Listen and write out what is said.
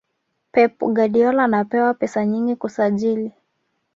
pep guardiola anapewa pesa nyingi kusajili